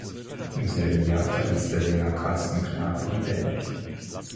Im selben Jahr verließ der Sänger Karsten Knabe die Band.